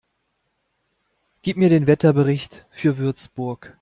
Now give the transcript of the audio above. Gib mir den Wetterbericht für Würzburg